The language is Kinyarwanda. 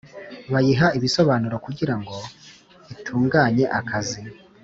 bayiha ibisobanuro kugira ngo itunganye akazi